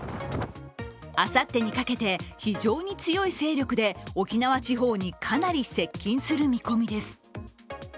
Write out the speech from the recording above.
あさってにかけて非常に強い勢力で沖縄地方にかなり接近する見込みです。